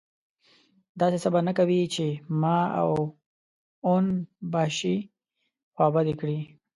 داسې څه به نه کوې چې ما او اون باشي خوابدي کړي.